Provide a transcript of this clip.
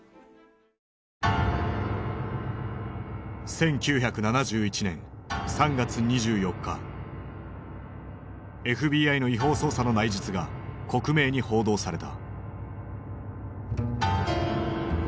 １９７１年３月２４日ＦＢＩの違法捜査の内実が克明に報道された。